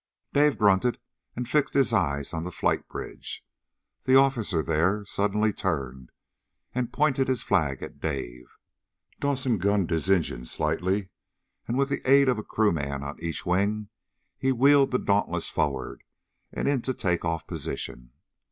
Dave grunted and fixed his eyes on the flight bridge. The officer there suddenly turned and pointed his flag at Dave. Dawson gunned his engine slightly, and with the aid of a crew man on each wing he wheeled the Dauntless forward and into take off position.